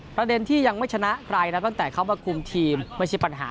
ประเด็นที่ยังไม่ชนะใครนะตั้งแต่เข้ามาคุมทีมไม่ใช่ปัญหา